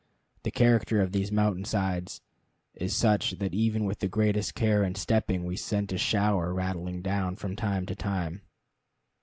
The character of these mountain sides is such that even with the greatest care in stepping we sent a shower rattling down from time to time.